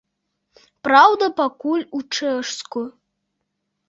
Праўда, пакуль у чэшскую.